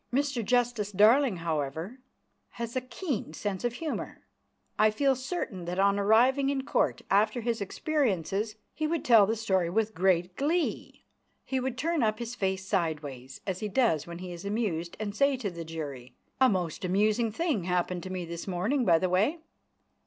Mr Justice Darling, however, has a keen sense of humour. I feel certain that on arriving in Court after his experiences he would tell the story with great glee. He would turn up his face sideways, as he does when he is amused, and say to the jury: "A most amusing thing happened to me this morning, by the way